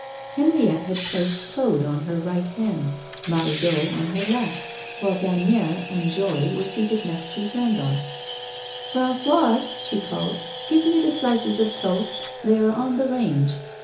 Henriette had placed Claude on her right hand, Mahoudeau on her left, while Gagnière and Jory were seated next to Sandoz. 'Françoise,' she called, 'give me the slices of toast. They are on the range.